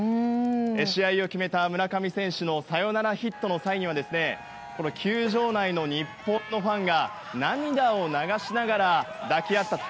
試合を決めた村上選手のサヨナラヒットの際には球場内の日本のファンが涙を流しながら抱き合ったと。